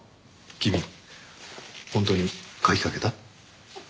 君本当に鍵かけた？